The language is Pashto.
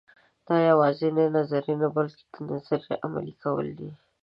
دا یوازې نظر نه بلکې د نظر عملي کول دي.